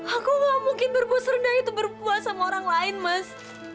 aku nggak mungkin berbuat serendah itu berpuas sama orang lain mas